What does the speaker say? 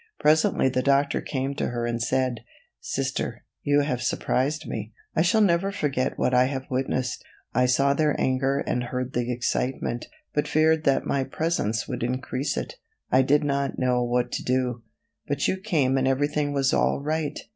Presently the doctor came to her and said: "Sister, you have surprised me. I shall never forget what I have witnessed. I saw their anger and heard the excitement, but feared that my presence would increase it. I did not know what to do, but you came and everything was all right.